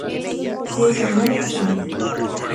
Si es menor, pierde.